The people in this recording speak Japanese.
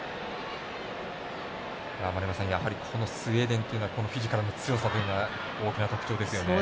丸山さん、やはりスウェーデンというのはフィジカルの強さというのが大きな特徴ですよね。